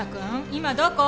今どこ？